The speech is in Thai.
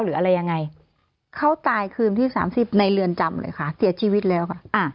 หรืออะไรยังไงเขาตายคืนที่สามสิบในเรือนจำเลยค่ะเสียชีวิตแล้วค่ะ